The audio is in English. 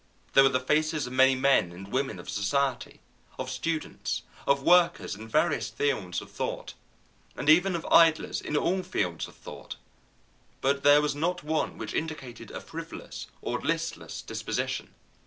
There were the faces of many men and women of society, of students, of workers in various fields of thought, and even of idlers in all fields of thought; but there was not one which indicated a frivolous or listless disposition.